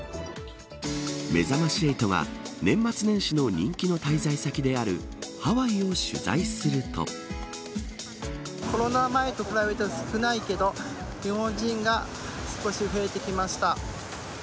めざまし８が、年末年始の人気の滞在先であるコロナ前と比べて少ないけど日本人が少し増えてきました。